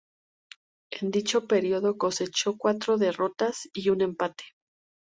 En dicho periodo cosechó cuatro derrotas y un empate.